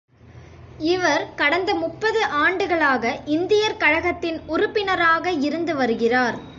இவர் கடந்த முப்பது ஆண்டுகளாக இந்தியர் கழகத்தின் உறுப்பினராக இருந்துவருகிறார்.